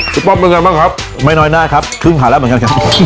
พี่ป๊อปเป็นยังไงบ้างครับไม่น้อยหน้าครับครึ่งขาดแล้วเหมือนกัน